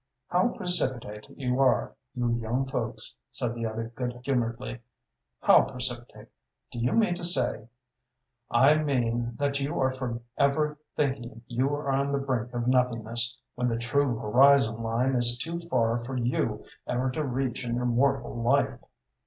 "How precipitate you are, you young folks!" said the other, good humoredly. "How precipitate? Do you mean to say ?" "I mean that you are forever thinking you are on the brink of nothingness, when the true horizon line is too far for you ever to reach in your mortal life."